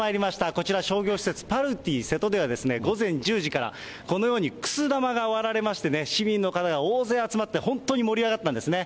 こちら、商業施設、パルティせとでは、午前１０時からこのようにくす玉が割られましてね、市民の方が大勢集まって、本当に盛り上がったんですね。